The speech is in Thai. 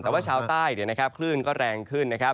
แต่ว่าเช้าใต้คลื่นก็แรงขึ้น